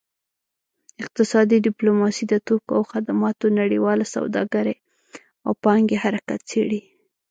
اقتصادي ډیپلوماسي د توکو او خدماتو نړیواله سوداګرۍ او پانګې حرکت څیړي